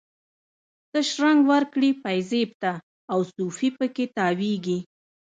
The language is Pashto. ته شرنګ ورکړي پایزیب ته، او صوفي په کې تاویږي